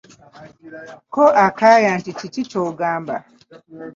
Ko Akaya nti kiki kyogamba?